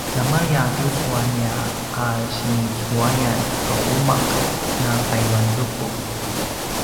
namaya tucu a nia a sinicuayan a umaq na payuanzuku